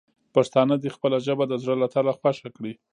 پښتانه دې خپله ژبه د زړه له تله خوښه کړي.